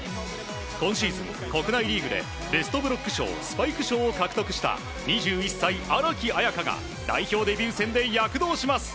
今シーズン国内リーグでベストブロック賞スパイク賞を獲得した２１歳荒木彩花が代表デビュー戦で躍動します。